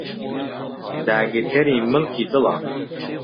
داگیرکەری ملکی دڵە